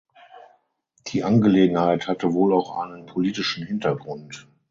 Die Angelegenheit hatte wohl auch einen politischen Hintergrund.